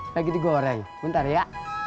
pak gigi goreng bentar ya